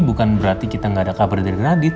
bukan berarti kita gak ada kabar dari radit